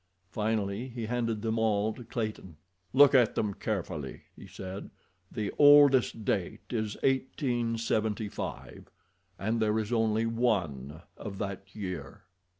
Finally he handed them all to Clayton. "Look at them carefully," he said. "The oldest date is eighteen seventy five, and there is only one of that year."